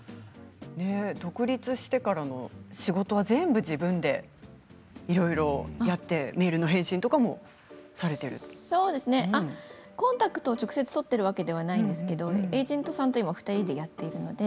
独立してからの仕事は全部自分でいろいろやってコンタクトを直接取っているわけではないんですけれども、エージェントさんと今２人でやっているので。